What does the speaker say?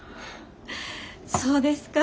そうですか。